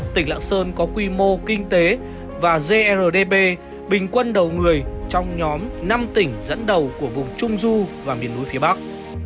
tỉnh lạng sơn có quy mô kinh tế và grdp bình quân đầu người trong nhóm năm tỉnh dẫn đầu của vùng trung du và miền núi phía bắc